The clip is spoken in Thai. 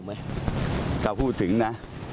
มั้ยครับพูดถึงนะ